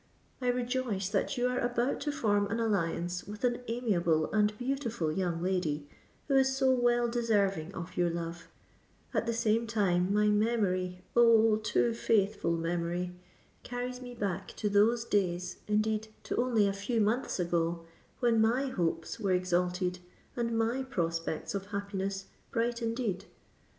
I rejoice that you are about to form an alliance with an amiable and beautiful young lady, who is so well deserving of your love: at the same time, my memory—oh! too faithful memory—carries me back to those days—indeed, to only a few months ago, when my hopes were exalted and my prospects of happiness bright indeed.